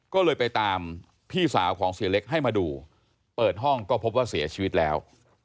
ก็เลยไปตามพี่สาวของเสียเล็กให้มาดูเปิดห้องก็พบว่าเสียชีวิตแล้ว